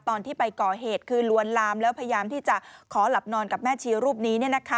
ตอนที่ไปก่อเหตุคือลวนลามแล้วพยายามที่จะขอหลับนอนกับแม่ชีรูปนี้